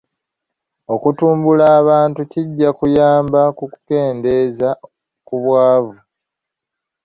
Okutumbula abantu kijja kuyamba okukendeeza ku bwavu.